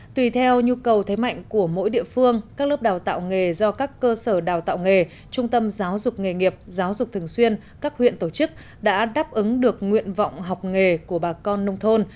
tùy theo nhu cầu thế mạnh của mỗi địa phương các lớp đào tạo nghề do các cơ sở đào tạo nghề trung tâm giáo dục nghề nghiệp giáo dục thường xuyên các huyện tổ chức đã đáp ứng được nguyện vọng học nghề của bà con nông thôn